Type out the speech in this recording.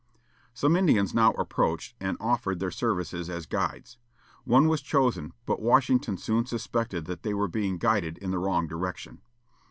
Some Indians now approached, and offered their services as guides. One was chosen, but Washington soon suspected that they were being guided in the wrong direction.